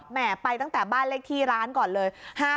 แหม่ไปตั้งแต่บ้านเลขที่ร้านก่อนเลย๕๙๑๕